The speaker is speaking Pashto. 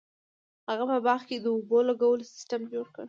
هغه په باغ کې د اوبو لګولو سیستم جوړ کړ.